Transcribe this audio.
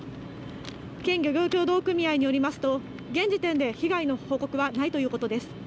県漁業協同組合によりますと現時点で被害の報告はないということです。